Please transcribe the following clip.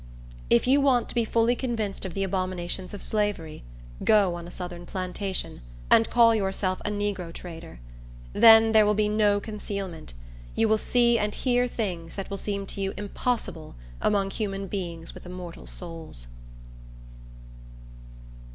If you want to be fully convinced of the abominations of slavery, go on a southern plantation, and call yourself a negro trader. Then there will be no concealment; and you will see and hear things that will seem to you impossible among human beings with immortal souls.